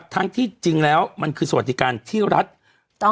ทั้งที่จริงแล้วมันคือสวัสดิการที่รัฐ